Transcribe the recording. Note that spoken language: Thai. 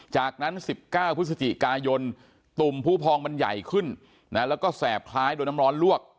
จากนั้น๑๙พฤศจิกายนตุ่มผู้พองมันใหญ่ขึ้นแล้วก็แสบคล้ายโดนน้ำร้อนลวก